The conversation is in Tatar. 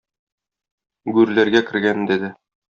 Гүрләргә кергәндә дә.